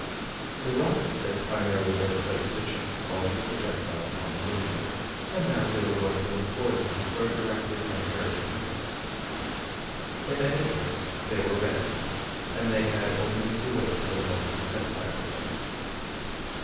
The rockets had primarily been placed to check the fall of the projectile upon the moon, and now they were going to employ them for a directly contrary purpose. In any case they were ready, and they had only to wait for the moment to set fire to them.